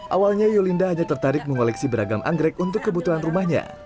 awalnya yulinda hanya tertarik mengoleksi beragam anggrek untuk kebutuhan rumahnya